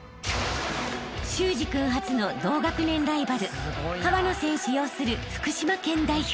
［修志君初の同学年ライバル川野選手擁する福島県代表］